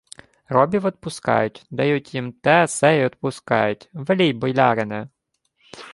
— Робів одпускають. Дають їм те-се й одпускають, велій болярине.